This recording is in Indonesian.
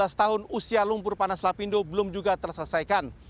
setahun usia lumpur panas lapindo belum juga terselesaikan